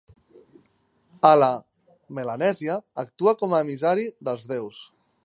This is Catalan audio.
A la, Melanèsia actua com a emissari dels déus.